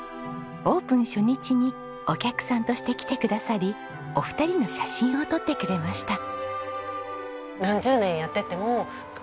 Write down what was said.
オープン初日にお客さんとして来てくださりお二人の写真を撮ってくれました。